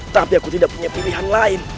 tapi aku tidak punya pilihan lain